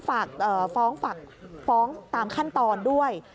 ฝากฟ้องตามขั้นตอนด้วย